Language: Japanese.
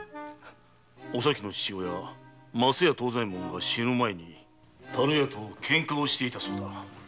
お咲の父・升屋藤左衛門が死ぬ前に樽屋とケンカをしていたそうだ。